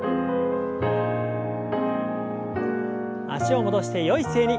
脚を戻してよい姿勢に。